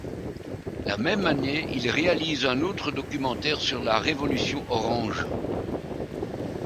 La même année, il réalise un autre documentaire sur la révolution orange.